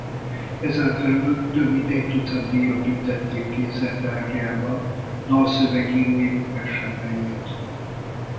Ezen felül több mint egy tucat díjjal tüntették ki szerte Ázsiában dalszövegírói munkásságáért.